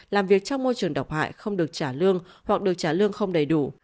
làm việc trong môi trường độc hại không được trả lương hoặc được trả lương không đầy đủ